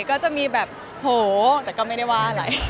ก็จะมีแบบโหแต่ก็ไม่ได้ว่าอะไร